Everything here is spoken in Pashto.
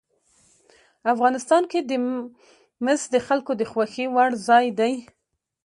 افغانستان کې مس د خلکو د خوښې وړ ځای دی.